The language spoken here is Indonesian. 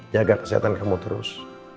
jaga kesehatan kamu terus